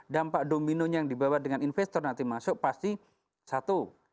dampak dominonya yang dibawa dengan investor nanti masuk pasti satu